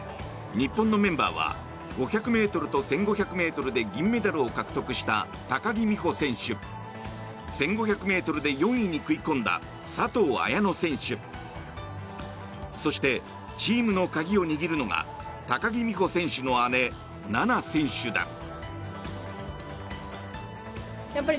日本のメンバーは５００ｍと１５００ｍで銀メダルを獲得した高木美帆選手１５００ｍで４位に食い込んだ佐藤綾乃選手そして、チームの鍵を握るのが高木美帆選手の姉、菜那選手だ。